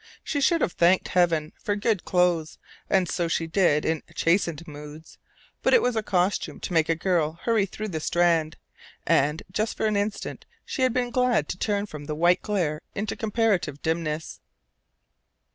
She should have thanked Heaven for good clothes, and so she did in chastened moods; but it was a costume to make a girl hurry through the Strand, and just for an instant she had been glad to turn from the white glare into comparative dimness.